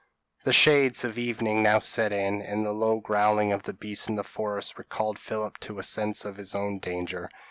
p> The shades of evening now set in, and the low growling of the beasts of the forest recalled Philip to a sense of his own danger.